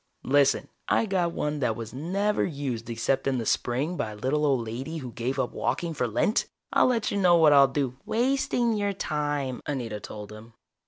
Listen, I got one that was never used except in the spring by a little old lady who gave up walking for Lent. I'll tell you what I'll do " "Wasting your time," Anita told him.